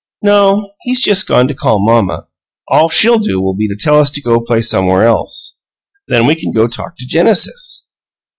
"No. He's just gone to call mamma. All she'll do' ll be to tell us to go play somewheres else. Then we can go talk to Genesis."